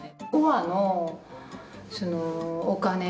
５話のお金。